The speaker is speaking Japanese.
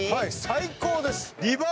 最高です。